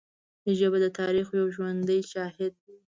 ژبه د تاریخ یو ژوندی شاهد دی